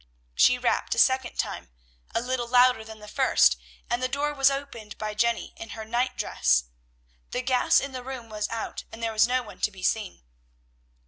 She rapped a second time, a little louder than the first, and the door was opened by Jenny, in her nightdress. The gas in the room was out, and there was no one to be seen.